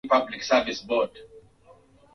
Njooni kwake baba